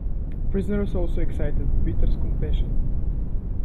Prisoners also excited Peter's compassion.